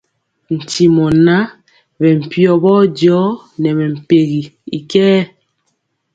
Ntimɔ ŋan, bɛ mpiɔ bɔjɔ nɛ mɛmpɛgi y kɛɛ.